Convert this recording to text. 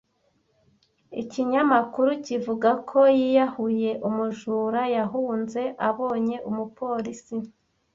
Ikinyamakuru kivuga ko yiyahuye. Umujura yahunze abonye umupolisi.